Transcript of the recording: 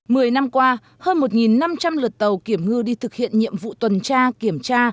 mười năm qua hơn một năm trăm linh lượt tàu kiểm ngư đi thực hiện nhiệm vụ tuần tra kiểm tra